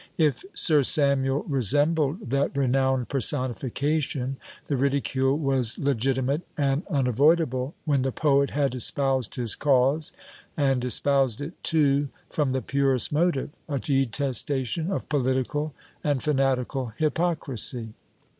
If Sir Samuel resembled that renowned personification, the ridicule was legitimate and unavoidable when the poet had espoused his cause, and espoused it too from the purest motive a detestation of political and fanatical hypocrisy.